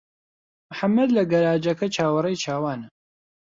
محەممەد لە گەراجەکە چاوەڕێی چاوانە.